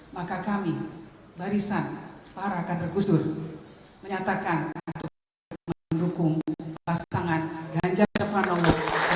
maka kami barisan para kader gusdur menyatakan untuk mendukung pasangan ganjar pranowo